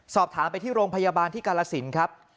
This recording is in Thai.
สอบถามไปที่โรงพยาบาลที่กาลสินครับ